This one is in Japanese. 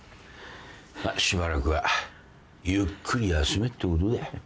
まあしばらくはゆっくり休めってことだ。